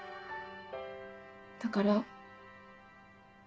だから。